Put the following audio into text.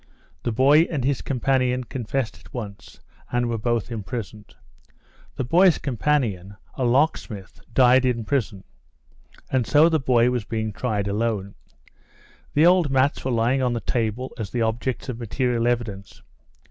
The boy and his companion confessed at once, and were both imprisoned. The boy's companion, a locksmith, died in prison, and so the boy was being tried alone. The old mats were lying on the table as the objects of material evidence.